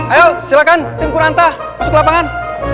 ayo silakan tim kuranta masuk ke lapangan